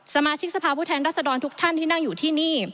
สมาชิกสภาพผู้แทนรัศดรทุกท่านที่นั่งอยู่ที่นี่